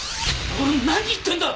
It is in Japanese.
今頃何言ってんだ！